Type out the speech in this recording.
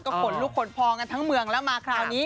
ขนลุกขนพองกันทั้งเมืองแล้วมาคราวนี้